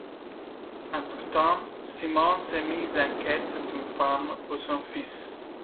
Entre-temps, Simone s'est mise en quête d'une femme pour son fils...